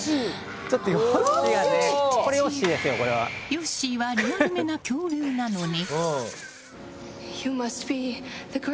ヨッシーはリアルめな恐竜なのに。